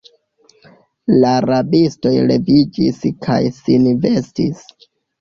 La rabistoj leviĝis kaj sin vestis.